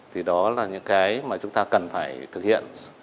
thì đó là những cái mà chúng ta cần phải thực hiện